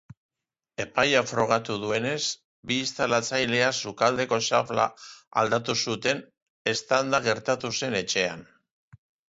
Epaiak frogatu duenez bi instalatzaileek sukaldeko xafla aldatu zuten eztanda gertatu zen etxean.